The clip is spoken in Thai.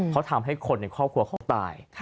เขาทำให้คนในครอบครัวเขาตาย